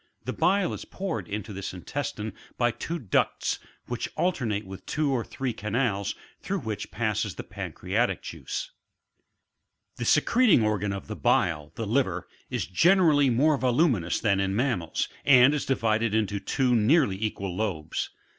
The bile is poured into this intestine by two ducts, which alternate with two or three canals, through which passes the pancreatic juice. 33. The secreting organ of the bile, the liner ^ is generally more yduminous than in mammals, and is divided into two nearly equal lobes.